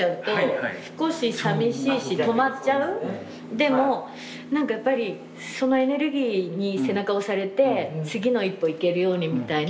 でもなんかやっぱりそのエネルギーに背中を押されて次の一歩行けるようにみたいな。